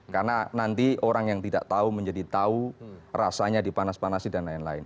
karena nanti orang yang tidak tahu menjadi tahu rasanya dipanas panasi dan lain lain